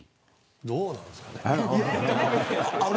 どうなんですかね。